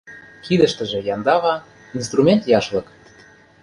Кидыштыже яндава, инструмент яшлык.